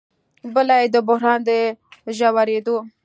بله یې د بحران د ژورېدو